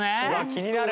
気になる！